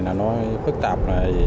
nó phức tạp